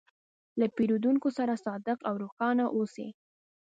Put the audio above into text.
له پیرودونکي سره صادق او روښانه اوسې.